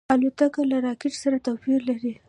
الوتکه له راکټ سره توپیر لري.